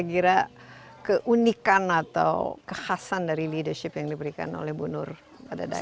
saya kira keunikan atau kekhasan dari leadership yang diberikan oleh bundur pada daerah ini